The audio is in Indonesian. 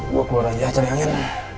gue keluar aja cari angin